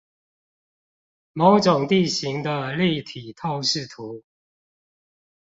某種地形的立體透視圖